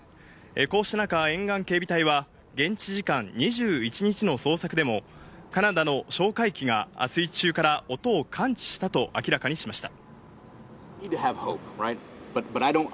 こうした中、沿岸警備隊は現地時間２１日の捜索でも、カナダの哨戒機が水中から音を感知したと明らかにしました。